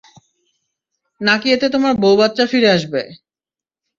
না-কি এতে তোমার বউ-বাচ্চা ফিরে আসবে?